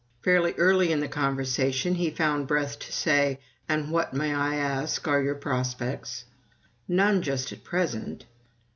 Fairly early in the conversation he found breath to say, "And what, may I ask, are your prospects?" "None, just at present."